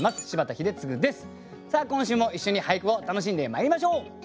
さあ今週も一緒に俳句を楽しんでまいりましょう！